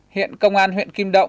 hiện công an huyện kim động